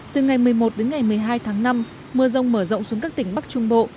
từ ngày một mươi một đến ngày một mươi hai tháng năm mưa rông mở rộng xuống các tỉnh bắc trung bộ